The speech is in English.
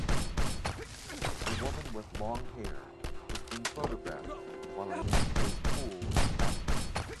A woman with long hair is being photographed while a man plays pool in the background.